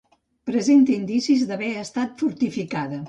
Presenta indicis d'haver estat fortificada.